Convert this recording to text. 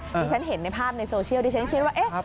ที่ฉันเห็นในภาพในโซเชียลดิฉันคิดว่าเอ๊ะ